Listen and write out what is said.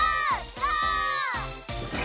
ゴー！